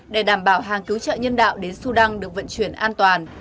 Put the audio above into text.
để đảm bảo hàng cứu trợ nhân đạo đến sudan được vận chuyển an toàn